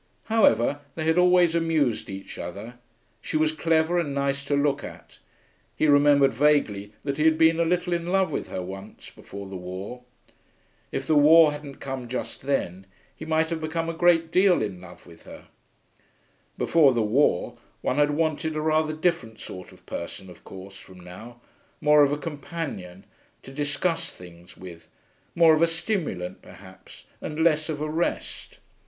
However, they had always amused each other; she was clever, and nice to look at; he remembered vaguely that he had been a little in love with her once, before the war. If the war hadn't come just then, he might have become a great deal in love with her. Before the war one had wanted a rather different sort of person, of course, from now; more of a companion, to discuss things with; more of a stimulant, perhaps, and less of a rest.